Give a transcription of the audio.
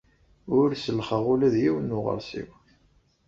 Ur sellxeɣ ula d yiwen n uɣersiw.